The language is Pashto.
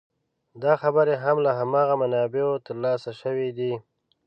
دا خبرې هم له هماغو منابعو تر لاسه شوې دي.